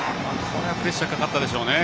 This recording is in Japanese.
これはプレッシャーかかったでしょうね。